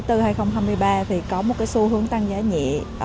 thì có một cái xu hướng tăng giá nhẹ